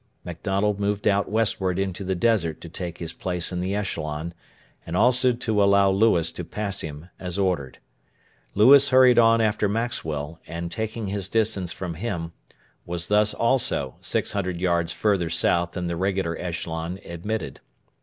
MacDonald moved out westward into the desert to take his place in the echelon, and also to allow Lewis to pass him as ordered. Lewis hurried on after Maxwell, and, taking his distance from him, was thus also 600 yards further south than the regular echelon admitted.